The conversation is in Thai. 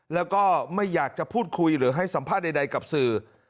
แล้วก็ไม่อยากจะพูดคุยหรือให้สัมภาษณ์ใดกับสื่อ